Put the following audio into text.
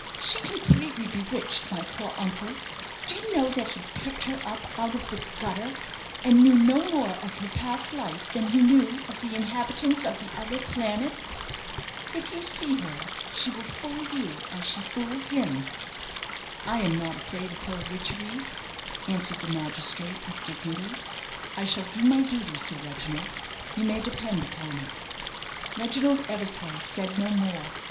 She completely bewitched my poor uncle. Do you know that he picked her up out of the gutter, and knew no more of her past life than he knew of the inhabitants of the other planets? If you see her, she will fool you as she fooled him." "I am not afraid of her witcheries," answered the magistrate, with dignity. "I shall do my duty, Sir Reginald, you may depend upon it." Reginald Eversleigh said no more.